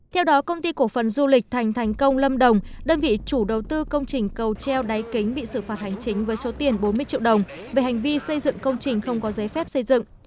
theo đó công ty cổ phần du lịch thành thành công lâm đồng đơn vị chủ đầu tư công trình cầu treo đáy kính bị xử phạt hành chính với số tiền bốn mươi triệu đồng về hành vi xây dựng công trình không có giấy phép xây dựng